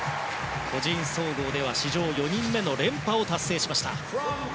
個人総合では史上４人目の連覇を達成しました。